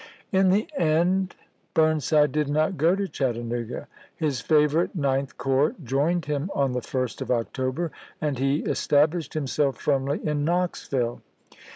In the end, Burnside did not go to Chattanooga. His favorite Ninth Corps joined him on the 1st of October, and he established himself firmly in Knox isea. viUe.